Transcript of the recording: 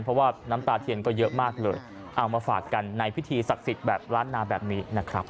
เพราะว่าน้ำตาเทียนก็เยอะมากเลยเอามาฝากกันในพิธีศักดิ์สิทธิ์แบบล้านนาแบบนี้นะครับ